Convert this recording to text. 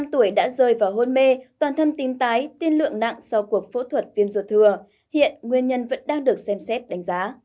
bốn mươi năm tuổi đã rơi vào hôn mê toàn thâm tính tái tiên lượng nặng sau cuộc phẫu thuật viêm ruột thừa hiện nguyên nhân vẫn đang được xem xét đánh giá